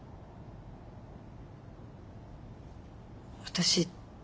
私。